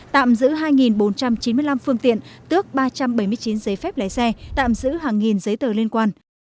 tạm giữ hai bốn trăm chín mươi năm phương tiện tước ba trăm bảy mươi chín giấy phép lấy xe tạm giữ hàng nghìn giấy tờ liên quan